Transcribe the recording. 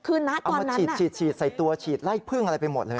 เอามาฉีดใส่ตัวฉีดไล่พึ่งอะไรไปหมดเลย